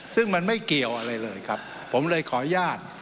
ซึ่งมันไม่เกี่ยวอะไรเลยครับผมเลยขออนุญาต